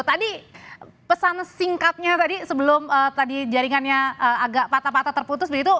tadi pesan singkatnya tadi sebelum tadi jaringannya agak patah patah terputus begitu